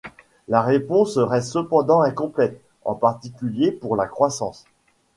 La réponse reste cependant incomplète, en particulier pour la croissance.